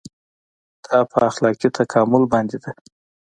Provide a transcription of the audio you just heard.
دا په اخلاقي تکامل باندې ده.